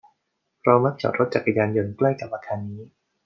เรามักจอดรถจักรยานยนต์ใกล้กับอาคารนี้